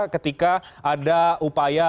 ketika ada upaya